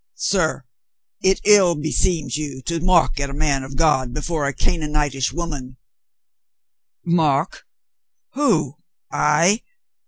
"Sir, it ill beseems you to mock at a man of God before a Canaanitish woman," "Mock? Who, I?